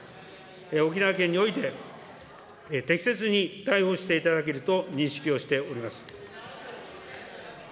沖縄県において、適切に対応をしていただけると認識をしております。